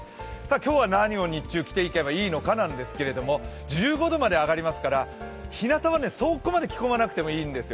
今日は何を日中着ていけばいいのかなんですけれども、１５度まで上がりますからそこまで着込まなくて大丈夫なんですよ。